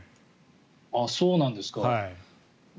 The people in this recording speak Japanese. そうなんですか。